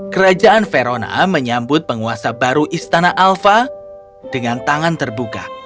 kerajaan verona menyambut penguasa baru istana alfa dengan tangan terbuka